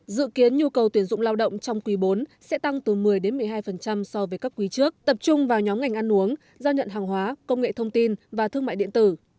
dự kiến nhu cầu tuyển dụng lao động trong quý bốn sẽ tăng từ một mươi một mươi hai so với các quý trước tập trung vào nhóm ngành ăn uống giao nhận hàng hóa công nghệ thông tin và thương mại điện tử